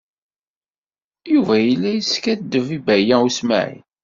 Yuba yella yeskaddeb i Baya U Smaɛil.